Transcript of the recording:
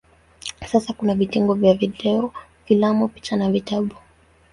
Sasa kuna vitengo vya video, filamu, picha na vitabu.